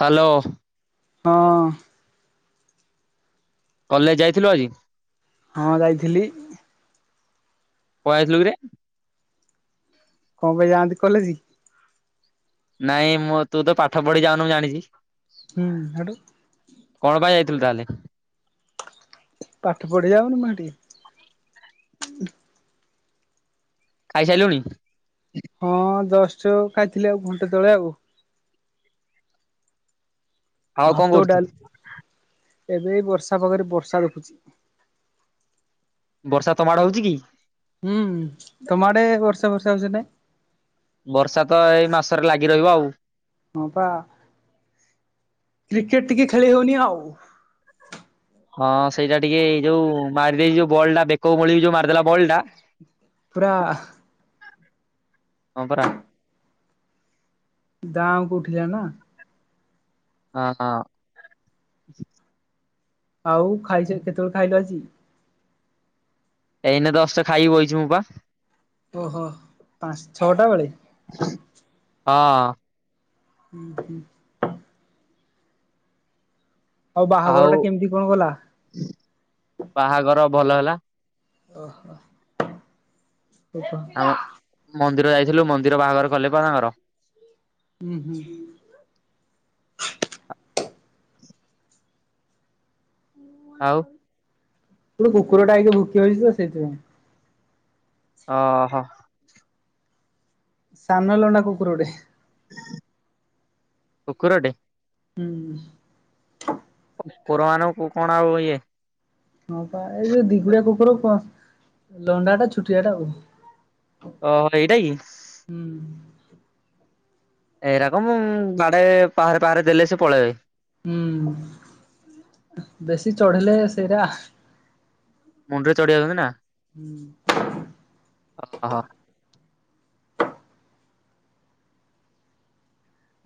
Hello! ହଁ। College ଯାଇଥିଲୁ ଆଜି? ହଁ ଯାଇଥିଲି। ପଳେଇ ଯାଇଥିଲୁ କିରେ କଣ ପାଇଁ ଯାଆନ୍ତି କଲେଜ କି? ନାଇଁ ମୁଁ ତୁ ତ ପାଠ ପଢି ଯାଉନୁଁ ଜାଣିଛି ହୁଁ ସଉଠୁ ତାହଲେ ପାଠ ପଢି [inaudible] ଖାଇ ସାରିଲୁଣି? ହଁ ଜଷ୍ଟ ଖାଇଥିଲି ଆଉ ଘଣ୍ଟା ତଳେ ଆଉ। ଆଉ କଣ ଭାତ କରୁଛୁ? ଡାଲି ଏବେ ବର୍ଷା ପାଗରେ ବର୍ଷା ଦେଖୁଛି। ବର୍ଷା ତମ ଆଡେ ହଉଛି କି? ହୁଁ ତମ ଆଡେ ବର୍ଷା ବର୍ଷେ ହେଇଛି ନା ନାଇ? ବର୍ଷା ତ ଏଇ ମାସରେ ଲାଗି ରହିବ ଆଉ। ହଁ ବା। କ୍ରିକେଟ ଟିକେ ଖେଳି ହଉନି ଆଉ। ହଁ ସେଇଟା ଟିକେ ଏଇ ଯୋଉ ମାରିଦେଇ ଯୋଉ ବଲ୍ ଟା ବେକ ମଳ ଯୋଉ ମାରିଦେଲା ବଲ୍ ଟା ପୁରା ହଁ ପରା ଦାଁକୁ ଉଠିଲା ନା! ହଁ ହ। ଆଉ ଖାଇଛ କେତେବେଳେ ଖାଇଲ ଆଜି? ଏଇନେ ଦଶଟା ଖାଇକି ବହିଛି ମୁଁ ପା ଓହୋ ପାଞ୍ଚ ଛଅଟା ବେଳେ। ହଁ। ହୁଁ ହୁଁ। ବାହାଘର ଆଉ ଟା କେମିତି କଣ ଗଲା ବାହାଘର ଭଲ ହେଲା? ଓ ହୋ। ଆମ [unintelligible] ମନ୍ଦିର ଯାଇଥିଲୁ ମନ୍ଦିର ବାହାଘର କଲେ ପା ତାଙ୍କର ହୁଁ ହୁଁ। ଆଉ। ତୁ କୁକୁରଟା ହୋଇ ଭୁକି ହୋଇଛୁ ତ ସେଇଥିପାଇଁ। ଓ ହୋ। ସାନ ଲଣ୍ଡା କୁକୁର ଗୋଟେ କୁକୁର ଟେ ହୁଁ। କୋରଆନୁ କଣ ଆଉ ଇଏ। କୁହ ଲଣ୍ଡାଟା ଛୁଟିଆ ଟା ଆଉ। ଓ ଏଇଟା କି ଏଇରାକ ମୁ ବାଡେ ପାହାରେ ପାହାରେ ଦେଲେ ସେ ପଳେଇବେ। ହୁଁ ବେଶୀ ଚଢିଲେ ସେଇଟା ମୁଣ୍ଡରେ ଚଢି ଯାଉଛନ୍ତି ନା ଓହୋ ହୁଁ।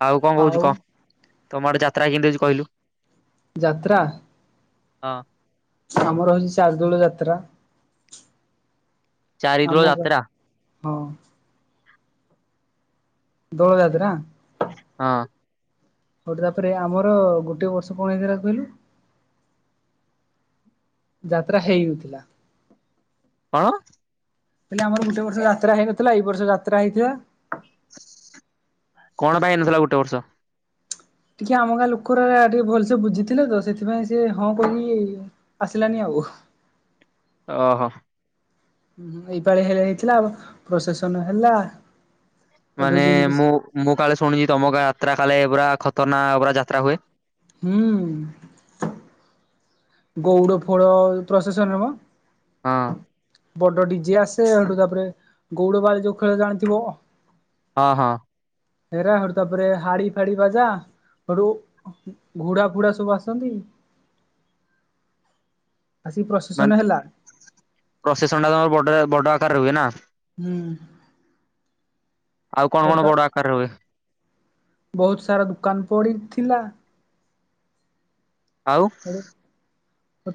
ଆଉ କଣ କହୁଛୁ କହ? ତମ ଆଡେ ଯାତ୍ରା କେମିତି ହଉଛି କହିଲୁ? ଯାତ୍ରା ହଁ। ଆମର ହଉଛି ଚାର୍ଦୋଳ ଯାତ୍ରା। ଆମ ଚାରିଦୋଲ ଗାଁ ଯାତ୍ରା। ହଁ। ଦୋଳ ଯାତ୍ରା ହଁ। ହଉଟି ତାପରେ ଆମର ଗୋଟେ ବର୍ଷ କଣ ହେଇଥିଲା କହିଲୁ? ଯାତ୍ରା ହେଇଉଥିଲା। ହଁ। ହେଲେ ଆମର ଗୋଟେ ବର୍ଷ ଯାତ୍ରା ହେଇନଥିଲା ଏଇ ବର୍ଷ ଯାତ୍ରା ହେଇଥିଲା। କଣ ପାଇଁ ହେଇନଥିଲା ଗୋଟେ ବର୍ଷ? ଟିକେ ଆମ ଗାଁ ଲୋକରା ଟିକେ ଭଲସେ ବୁଝିଥିଲେ ତ ସେଥିପାଇଁ ସେ ହଁ କହିକି ଆସିଲାନି ଆଉ। ଓହୋ। ଏଇପାଳି ହେ ହେଇଥିଲା ପ୍ରସେସନ ହେଲା। ପଠଉ ମାନେ ଯେମିତି ମୁଁ ମୁଁ କାଳେ ଶୁଣିୁଛି ତମ ଗାଁ ଯାତ୍ରା କାଳେ ପୁରା ଖତର୍ନାକ ପୁରା ଯାତ୍ରା ହୁଏ। ହୁଁ। ଗଉଡ ଫଉଡ ପ୍ରସେସନ ନୁହେଁ ମ ହଁ। ବଡ ଡିଜେ ଆସେ ହେଟୁ ତାପରେ ଗଉଡ ବାଡି ଯଉ ଖେଳ ଜାଣିଥିବ ହଁ ହଁ। ହେରା ହେଟୁ ତାପରେ ହାଡି ଫାଡି ବାଜା ହେଠୁ ଘୋଡା ଫୁଡା ସବୁ ଆସନ୍ତି। ଆସିକି ପ୍ରସେସନ ମାନ୍ ହେଲା ପ୍ରସେସନ ଟା ତମର ବଡ ବଡ ଆକାରରେ ହୁଏ ନା? ହୁଁ। ଆଉ କଣ କଣ ପଡପା ବଡ ଆକାରରେ ହୁଏ? ବହୁତ ସାରା ଦୁକାନ ପଡିଥିଲା। ଆଉ।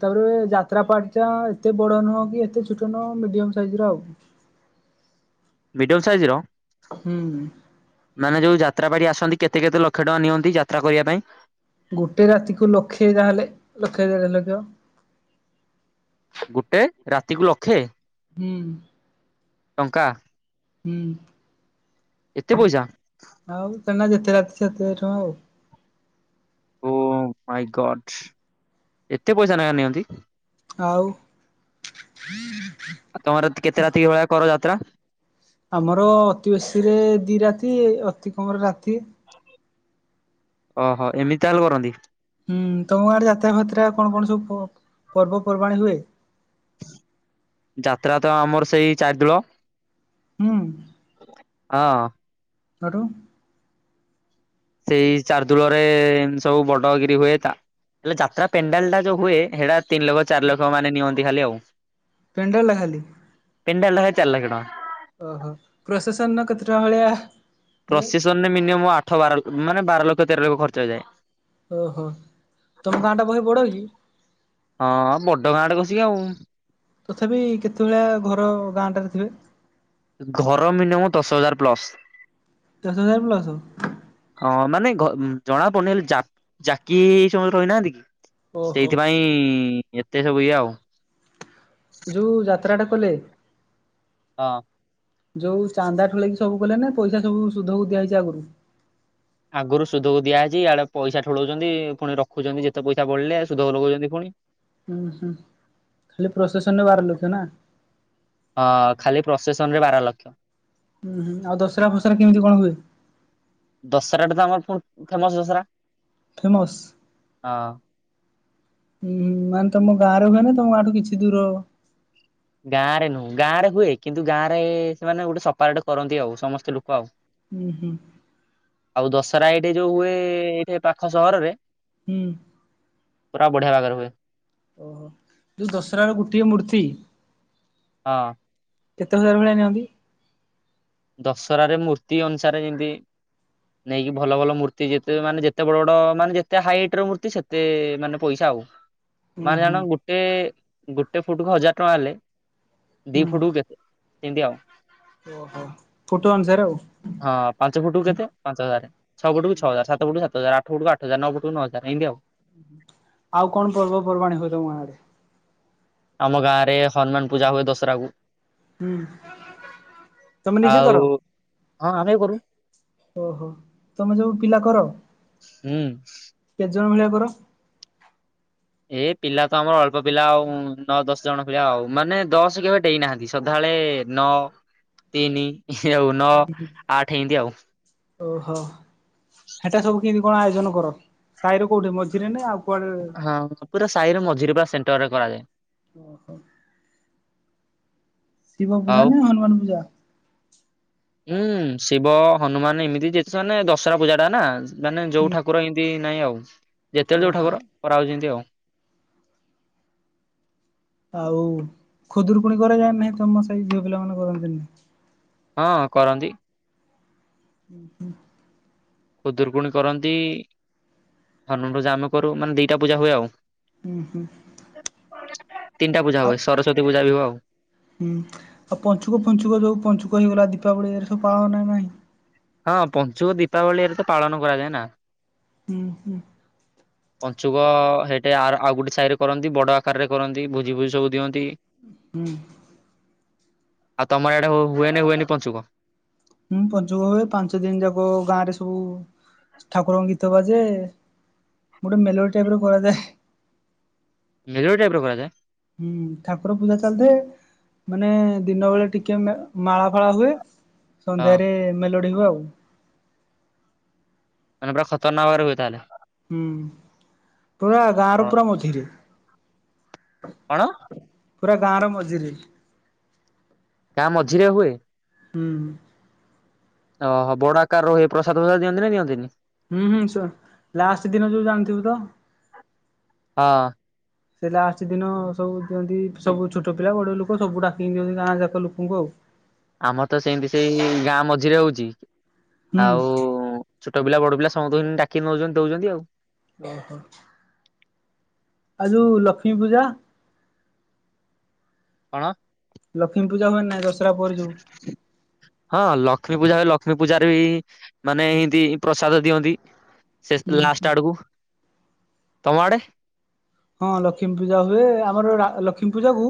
ତାପରେ ଯାତ୍ରା ପାଟି ଟା ଏତେ ବଡ ନୁହଁ କି ଏତେ ଛୋଟ ନୁହଁ ମିଡିୟମ ସାଇଜ ର ଆଉ। ମିଡିୟମ ସାଇଜ ର ହୁଁ। ମାନେ ଯୋଉ ଯା ଯାତ୍ରା ପାଟି ଆସନ୍ତି କେତେ କେତେ ଲକ୍ଷ ଟଙ୍କା ନିଅନ୍ତି ଯାତ୍ରା କରିବା ପାଇଁ? ଗୋଟେ ରାତିକୁ ଲକ୍ଷେ ତାହେଲେ ଲକ୍ଷ ଦେଢ ଲକ୍ଷ। ଗୋଟେ ରାତିକୁୁ ଲଖେ? ହଁ। ଟଙ୍କା। ହୁଁ। ଏତେ ପଇସା? ଏତେ ରାତି ସେତେ ଟଙ୍କା ଆଉ। ଓ ମାଇ ଗଡ୍ ଏତେ ପଇସା ନେଖା ନିଅନ୍ତି? ଆଉ ଆଉ ତମର କେତେ ରାତି ଭଳିଆ କର [inaudible] ଆମର ଅତି ବେଶୀ ରେ ଦି ରାତି ଅତି କମରେ ରାତି ଓହୋ ଏମିତି ତାହେଲେ କରନ୍ତି। ହୁଁ, ତମ ଗାଁରେ ଯାତ୍ରାଫାତ୍ରା, କଣ କଣ ସବୁ ପର୍ବପର୍ବାଣି ହୁଏ? ଯାତ୍ରା ତ ଆମର ସେଇ ଚାରି ଦୋଳ ହଁ। ହଁ। କଠୁ ସେଇ ଚାରିଦୁଳରେ ସବୁ ବଡଗିରି ହୁଏ ତା ହେଲେ ଯାତ୍ରା ପେଣ୍ଡାଲ ଟା ଯୋଉ ହୁଏ, ସେଇଟା ତିନଲକ୍ଷ ଚାରିଲକ୍ଷ ମାନେ ନିଅନ୍ତି ଖାଲି ଆଉ। ପେଣ୍ଡା ଲହାଲି ପିଣ୍ଡାଲାହେ ଚାଲକ୍ୟ ତାଙ୍କ ଓହୋ ପ୍ରଶାସନ ନ କତଟ ହଳି ପ୍ରସିେସନରେ ମିନିମମ୍ ଆଠ ବାର ମାନେ ବାର ଲକ୍ଷ ତେର ଲକ୍ଷ ଖର୍ଚ୍ଚ ହେଇଯାଏ। ଓହୋ ତମ ଗାଁ ଟା ବହେ ବଡ କି? ହଁ ବଡ ଗାଁଡେ ଖସିକି ଆଉ। ତଥାପି କେତେ ଭଳିଆ ଘର ଗାଁଟାରେ ଥିବେ? ଘର ମିନିମ ଦଶ ହଜାର ପ୍ଲସ ଦଶ ହଜାର ପ୍ଲସ? ହଁ ମାନେ ଘ ଜଣାପନେଇ, ଜାକି ସମ ରହିନାହାନ୍ତି କି ଓହୋ ସେଇଥିପାଇଁ ଏତେ ସବୁ ଇଏ ଆଉ। ଯୋଉ ଯାତ୍ରା ଟା କଲେ ହଁ। ଯୋଉ ଚାନ୍ଦା ଠୁଳେଇକି ସବୁ କଲେ ନା, ପଇସା ସବୁ ସୁଧକୁ ଦିଆହେଇଛି ଆଗରୁ ଆଗରୁ ସୁଧକୁ ଦିଆଯାଇଛି ଇଆଡେ ପଇସା ଠୁଳଉଛନ୍ତି ପୁଣି ରଖୁଛନ୍ତି ଯେତେ ପଇସା ବଳଲେ ସୁଧକୁ ଲଗଉଛନ୍ତି ପୁଣି ହୁଁ ହୁଁ ଖାଲି ପ୍ରୋସେସନ ନ ବାରଲକ୍ଷ୍ୟ ନା! ହଁ ଖାଲି ପ୍ରସେସନ ରେ ବାର ଲକ୍ଷ ହୁଁ ହୁଁ ଆଉ ଦଶହରା ଫସରା କେମିତି କଣ ହୁଏ? ଦଶହରାଟା ତ ଆମର ପୁଣି ଫେମସ ଦସରା ଫେମସ, ମାନେ ତମ ଗାଁରେ ହୁଏନ ତମାଡୁ କିଛି ଦୂର ଗାଁ ରେ ନୁହେଁ ଗାଁ ରେ ହୁଏ କିନ୍ତୁ ଗାଁରେ ସେମାନେ ଗୋଟେ ସପାରେଟ କରନ୍ତି ଆଉ ସମସ୍ତେ ଲୋକ ଆଉ। ହୁଁ ହୁଁ। ଆଉ ଦଶହରା ଏଇଠି ଯୋଉ ହୁଏ ଏଇଠି ପାଖ ସହରରେ ହୁଁ। ପୁରା ବଢଆ ବାଗରହୁଏ। ଓହୋ ଯୋଉ ଦଶରାର ଗୋଟିଏ ମୂର୍ତ୍ତି ହଁ। କେତେ ହଜାର ଭଳିଆ ନିଅନ୍ତି। ଦଶହରାରେ ମୂର୍ତ୍ତି ଅନୁସାରେ ଯେମିତି ନେଇକି ଭଲ ଭଲ ମୂର୍ତ୍ତି ଯେତେ ମାନେ ଯେତେ ବଡ ବଡ ମାନେ ଯେତେ ହାଇଟ ର ମୂର୍ତ୍ତି ସେତେ ମାନେ ପଇସା ହୁଁ ମାନେ ହୁଁ ଜାଣ ଗୋଟେ, ଗୋଟେଫୁଟ କୁ ହଜାର ଟଙ୍କା ହେଲେ ଦି ଫୁଟକୁ ହୁଁ କେତେ ସେମିତି ଆଉ। ଓହୋ ଫୁଟୁ ଆନୁସରେ ଆଉ। ହଁ ପାଞ୍ଚ ଫୁଟକୁ କେତେ ପାଞ୍ଚ ହଜାର, ଛଅଟକୁ ଛହଜାର, ସାତପଟୁ ସାତହଜାର, ଆଠପଟକୁ ଆଠହଜାର, ନଅପଟୁ ନଅହଜାର ଏମିତି ଆଉ। ଆଉ କଣ ପର୍ବପର୍ବାଣି ହଉ ତମ ଗଁରେ? ଆମ ଗାଁ ରେ ହନୁମାନ ପୂଜା ହୁଏ ଦଶହରା କୁ। ହୁଁ, ତମେ ନିଜେ ଆଉ କର? ହଁ ଆମେ କରୁ। ଓହୋ ତମେ ଯୋଉ ପିଲା କର ହୁଁ। କେତେ ଜଣ ଭଳିଆ କର? ଏ ପିଲା ତ ଆମର ଅଳ୍ପ ପିଲା ଆଉ ନଅ ଦଶ ଜଣ ପିଲା ଆଉ ମାନେ ଦଶ କେବେ ଡେଇନାହାନ୍ତି ସଧାବେଳେ ନଅ, ତିନି ଆଉ ନଅ ଆଠ ଏମିତି ଆଉ। [inaudible] ଓହୋ ହେଟା ସବୁ କେମିତି? କଣ ଆୟୋଜନ କର ସାହିରେ କୋଉଠି ମଝିରେ ନା ଆଉ କୁଆଡେ? ହଁ ପୁରା ସାହିରେ ମଝିରେ ବା ସେଣ୍ଟର ରେ କରାଯାଏ। ଓ ହୋ। ଶିବ ପୂଜା ଆଉ ନା ହନୁମାନ ପୂଜା? ହୁଁ ଶିବ ହନୁମାନ ଏମିତି ଯେହେତୁ ମାନେ ଦଶହରା ପୂଜା ଟା ନା ମାନେ ଯୋଉ ହୁଁ। ଠାକୁର ଏମତି ନାଇଁ ଆଉ ଯେତେବେଳେ ଯୋଉ ଓହୋ ଠାକୁର କରା ହଉଛନ୍ତି ଆଉ। ଆଉ ଖୁଦୁରକୁୁଣି କରାଯାଏ ନା ନାହିଁ ତମ ସାହି ଝିଅ ପିଲାମାନେ କରନ୍ତିନି? ହଁ କରନ୍ତି। ହୁଁ ହୁଁ। ଖୁଦୁରକୁୁଣୀ କରନ୍ତି ହନୁମାନ ପୂଜା ଆମେ କରୁ ମାନେ ଦିଟା ପୂଜା ହୁଏ ଆଉ। ହୁଁ ହୁଁ ତିନିଟା ପୂଜା ଆଉ ହୁଏ ସରସ୍ଵତୀ ପୂଜା ବି ହୁଏ ଆଉ। ହୁଁ ଆଉ ପଞ୍ଚୁକ ପଞ୍ଚୁକ ଯୋଉ ପଞ୍ଚୁକ ହେଇଗଲା ଦୀପାବଳି ଏରେ ସବୁ ପାଳନା ନାହିଁ? ହଁ ପଞ୍ଚୁମ ଦୀପାବଳି ଏରା ତ ପାଳନ କରାଯାଏ ନା। ହୁଁ ହୁଁ। ପଞ୍ଚୁକ ହେଟେ ଆଉ ଗୋଟେ ସାଇରେ କରନ୍ତି ବଡ଼ ଆକାରରେ କରନ୍ତି ଭୋଜି ଫୋଜି ସବୁ ଦିଅନ୍ତି। ହୁଁ। ଆଉ ତମର ଆଡେ ହୁଏନି ହୁଏନି ପଞ୍ଚୁକ? ହଁ ପଞ୍ଚୁକ ହୁଏ ପାଞ୍ଚ ଦିନ ଯାକ ଗାଁ ରେ ସବୁ ଠାକୁରଙ୍କ ଗୀତ ବାଜେ ଗୋଟେ ମେଲୋଡ଼ି ଟାଇପର କରା ଯାଏ। ମେଲୋଡି଼ ଟାଇପି ର କରାଯାଏ? ହୁଁ ଠାକୁର ପୂଜା ଚାଲିଥାଏ ମାନେ ଦିନ ବେଳା ଟିକେ ମାଳା ପାଳା ହୁଏ ହଁ ସନ୍ଧ୍ୟାରେ ମେଲୋଡି ହୁଏ ଆଉ। ମାନେ ପୁରା ଖତରନାକରେ ହୁଏ ତାହେଲେ। ହୁଁ ପୁରା ଗାଁ ର ହଁ ପୁରା ମଝିରେ। କଣ? ପୁରା ଗାଁ ର ମଝିରେ। ଗାଁ ମଝିରେ ହୁଏ? ହୁଁ। ଓହୋ ବଡ ଆକାର ର ପ୍ରସାଦ ଫସାଦ ଦିଅନ୍ତି ନା ଦିଅନ୍ତିନି? ହୁଁ ହୁଁ ଲାଷ୍ଟ ଦିନ ଯୋଉ ଜାଣିଥିବୁ ତ? ହଁ। ସେ ଲାଷ୍ଟ ଦିନ ସବୁ ଦିଅନ୍ତି ସବୁ ଛୋଟ ପିଲା ବଡ ଲୋକ ସବୁ ଡାକିକି ଦିଅନ୍ତି ଗାଁ ଯାକ ଲୋକଙ୍କୁ ଆଉ। ଆମର ତ ସେମିତି ସେଇ ଗାଁ ମଝିରେ ହଉଛି ହୁଁ ଆଉ ଛୋଟ ପିଲା ବଡ଼ ପିଲା ସମସ୍ତୁଙ୍କୁ ଡାକିନୋଉଛନ୍ତି ଦଉଛନ୍ତି ଆଉ। ଓ ହୋ। ଆ ଯୋଉ ଲକ୍ଷ୍ମୀ ପୂଜା? କଣ? ଲକ୍ଷ୍ମୀ ପୂଜା ହୁଏ ନା ଦଶହରା ପରେ ଯୋଉ। [inaudible] ହଁ ଲକ୍ଷ୍ମୀ ପୂଜା ହୁଏ ଲକ୍ଷ୍ମୀ ଲକ୍ଷ୍ମୀ ପୂଜାରେ ବି ମାନେ ଏଇ ଦି ପ୍ରସାଦ ଦିଅନ୍ତି। ସେ ହୁଁ ହୁଁ ଲାଷ୍ଟ ଆଡ଼କୁ [inaudible] ତମ ଆଡ଼େ? ହଁ ଲକ୍ଷ୍ମୀ ପୂଜା ହୁଏ ଆମର ଲକ୍ଷ୍ମୀ ପୂଜାକୁ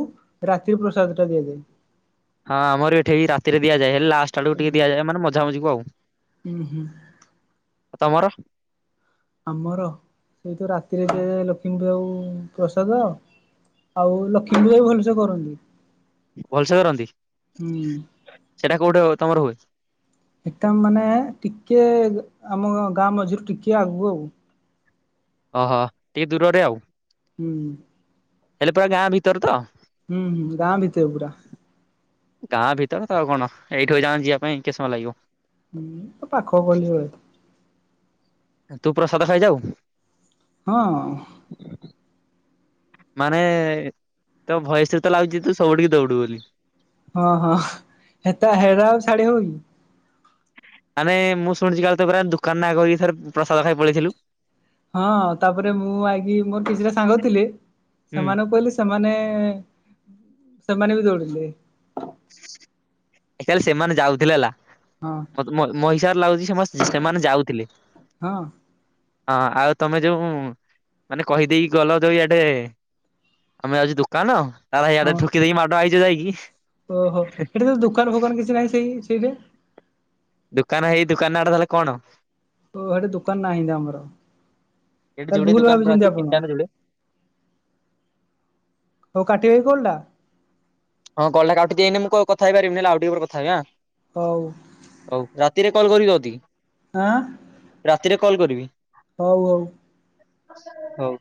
ରାତିରେ ପ୍ରସାଦ ଟା ଦିଆଯାଏ। [inaudible] ହଁ ଆମର ଏଠି ଏଇ ରାତିରେ ଦିଆଯାଏ ହେଲେ ଲାଷ୍ଟ ଆଡ଼କୁ ଟିକେ ହୁଁ ଦିଆଯାଏ ମାନେ ମଝା ମଝିକୁ ଆଉ। ହୁଁ ହୁଁ ଆଉ ତମର? ଆମର ସେଇ ତ ରାତିରେ ଦିଆଯାଏ ଲକ୍ଷ୍ମୀଙ୍କୀ ଆଉ ପ୍ରସାଦ। ଆଉ ଲକ୍ଷ୍ମୀ ପୂଜା ବି ଭଲସେ କରନ୍ତି? ଭଲସେ କରନ୍ତି, ହୁଁ ସେଟା କୋଉଠି ହ ତମର ହୁଏ । ଏକାମ୍ ମାନେ ଟିକେ ଆମ ଗାଁ ମଝିରୁ ଟିକେ ଆଗୁକୁ ଆଉ । ଓହୋ ଟିକେ ଦୂରରେ ଆଉ । ହୁଁ । ହେଲେ ପୁରା ଗାଁ ଭିତରେ ତ । ହୁଁ ହୁଁ ଗାଁ ଭିତରେ ପୁରା । ଗାଁ ଭିତର ତ ଆଉ କଣ ଏଇଠି ଏଇଯାକେଁ ଯିବା ପାଇଁ କେତେ ସମୟ ଲାଗିବ । ହୁଁ ଏ ପାଖ ଗଲି ରେ । ତୁ ପ୍ରସାଦ ଖାଇଯାଉ । ହଁ । ମାନେ ତୋ ଭୟସରୁ ତ ଲାଗୁଛି ତୁ ସବୁଠିକି ଦୌଡୁ ବୋଲି । ହଁ ହଁ ହେତା ହେରା ଆଉ ଛାଡି ହବ କି? ମାନେ ମୁଁ ଶୁଣିଛି କାଳେ ତୁ ପରା ଦୁକାନ କହିକି ଥରେ ପ୍ରସାଦ ଖାଇ ପଳେଇଥିଲୁ । ହଁ ତାପରେ ମୁଁ ଆଇକି ମୋର କିଛିଟା ସାଙ୍ଗଥିଲେ । ହୁଁ ସେମାନଙ୍କୁ କହିଲି ସେମାନେ ସେମାନେ ବି ଦୌଡିଲେ । ଆକଚୁଆଲି ସେମାନେ ଯାଉଥିଲେ ହେଲା ହଁ । ମତେ ମୋ ମୋ ହିସାବେ ରେ ଲାଗୁଛି ସେ ମୋ ସ୍ ସେମାନେ ଯାଉଥିଲେ ହଁ । ହଁ ଆଉ ତମେ ଯୋଉ ମାନେ କହି ଦେଇକି ଗଲ ଯୋଉ ଏଠେ । ଆମେ ଯାଉଛୁ ଦୁକାନ ତାର ହିଆଡେ ହଁ। ଠୁକି ଦେଇକି ମାଡ ଆଇଛ ଯାଇକି । ଓହୋ ଏଠି ତ ଦୋକାନ ଫୋକାନ କିଛି ନାହିଁ ସେଇ ସେଇଠେ । ଦୁକାନ ହେଇ ଦୁକାନା ଟା ତାଲେ କଣ । ଓ ହେଠି ଦୋକାନ ନାହିଁ ତେ ଆମର । ଏଠି ତା ହେଲେ ଯୋଡେ ଭୁଲ ଦୋକାନ ପୁରା ଅଛି ଭାବିଛନ୍ତି ତିନିଟା ଆପଣ ନା । ଯୋଡେ ହଉ କାଟିବ ଏଇ କଲ୍ ଟା । ହଁ କଲ୍ ଟା କାଟୁଚି ଏୟିନେ, ମୁଁ କଥା ହେଇ ପାରିବିନି ଆଉ ଟିକେ ପରେ କଥା ହେବି ଆଁ ହଉ ହଉ ରାତିରେ । କଲ କରିବି ଯଦି । ଆଁ । କଲ୍ କରିବି । ହଉ ହଉ । ହଉ ।